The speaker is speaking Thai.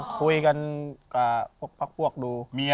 คุยกันกับพวกดู